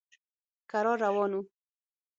کرار روان و.